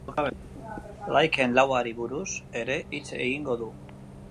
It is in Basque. Liken lauari buruz ere hitz egingo du.